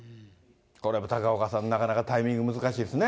これは、高岡さん、なかなかタイミング難しいですね。